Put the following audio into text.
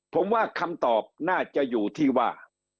ผมว่าคำตอบน่าจะอยู่ที่ว่า